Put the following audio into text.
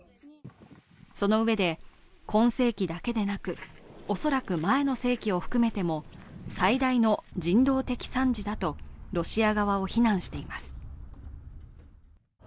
そのうえで、今世紀だけでなく恐らく前の世紀を含めても最大の人道的惨事だとロシア側を非難しています。